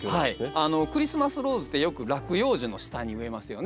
クリスマスローズってよく落葉樹の下に植えますよね。